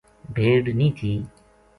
بھیڈ نیہہ تھی۔